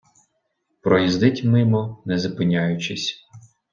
Проїздить мимо не зупиняючись.